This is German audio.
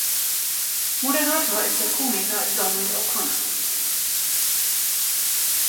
Moderator ist der Komiker Donald O’Connor.